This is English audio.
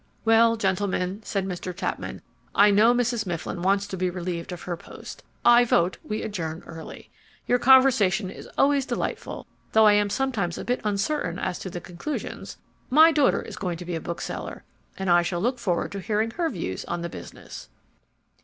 "Well, gentlemen," said Mr. Chapman, "I know Mrs. Mifflin wants to be relieved of her post. I vote we adjourn early. Your conversation is always delightful, though I am sometimes a bit uncertain as to the conclusions. My daughter is going to be a bookseller, and I shall look forward to hearing her views on the business."